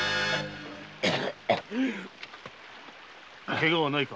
怪我はないか？